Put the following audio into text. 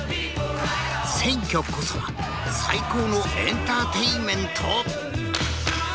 選挙こそは最高のエンターテインメント！？